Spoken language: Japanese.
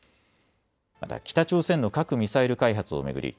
また北朝鮮の核・ミサイル開発を巡り